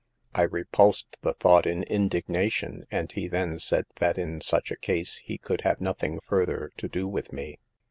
I repulsed the thought in indignation, and he then said that in such a case he could have nothing further to do with me.